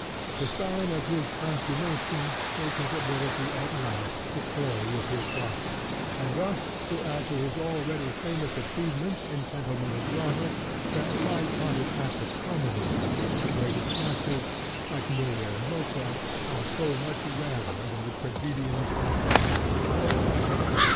The sign of this consummation was his ability at last to play with his art, and thus to add to his already famous achievements in sentimental drama that lighthearted art of comedy of which the greatest masters, like Moliere and Mozart, are so much rarer than the tragedians and sentimentalists.